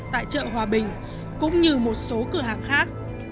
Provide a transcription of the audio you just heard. tại chợ hòa bình cũng như một số cửa hàng khác